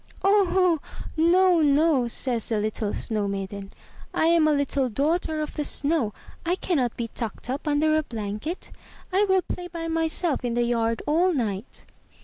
"O, ho! No, no!" says the little snow maiden, "I am a little daughter of the Snow. I cannot be tucked up under a blanket. I will play by myself in the yard all night."